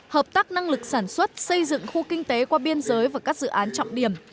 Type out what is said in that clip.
hợp tác năng lực sản xuất xây dựng khu kinh tế qua biên giới và các dự án trọng điểm